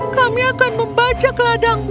kami akan membacak ladangmu